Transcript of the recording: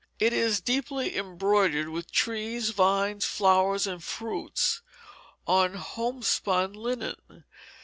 It is deeply embroidered with trees, vines, flowers, and fruits, on homespun linen.